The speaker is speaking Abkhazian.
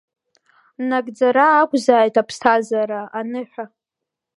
Нагӡара ақәзааит Аԥсҭазаара-аныҳәа!